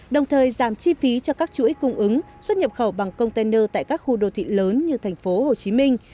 đồng thời giảm chi phí cho các chuỗi cung ứng xuất nhập khẩu bằng container tại các khu đô thị lớn như thành phố hồ chí minh